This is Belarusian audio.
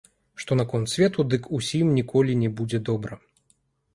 Што наконт свету, дык усім ніколі не будзе добра.